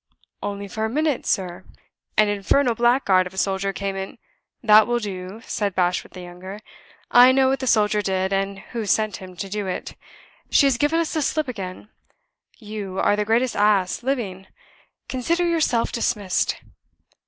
"Only for a minute, sir. An infernal blackguard of a soldier came in " "That will do," said Bashwood the younger. "I know what the soldier did, and who sent him to do it. She has given us the slip again. You are the greatest ass living. Consider yourself dismissed."